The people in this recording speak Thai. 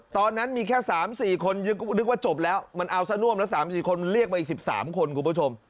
ตอนนั้นมีแค่สามสี่คนยังก็นึกว่าจบแล้วมันเอาซะน่วมแล้วสามสี่คนมันเรียกไปอีกสิบสามคนคุณผู้ชม